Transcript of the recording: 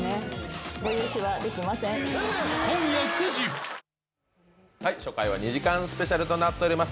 そこで初回は２時間スペシャルとなっています。